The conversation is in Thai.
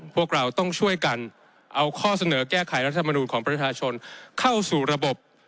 พวกเราต้องช่วยกันเอาข้อเสนอแก้ไขรัฐมนูลของประชาชนเข้าสู่ระบบ